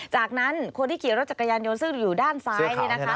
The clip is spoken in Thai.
จากนั้นคนที่ขี่รถจากกระยานยนต์ซึ่งอยู่ด้านซ้าย